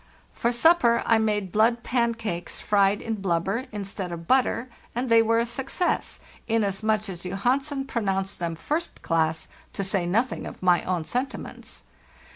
For sup per I made blood pancakes fried in blubber instead of butter, and they were a success, inasmuch as Johansen pronounced them 'first class,' to say nothing of my own sentiments.